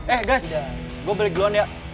eh guys gue balik duluan ya